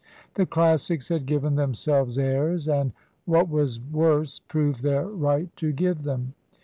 The Classics had given themselves airs, and, what was worse, proved their right to give them.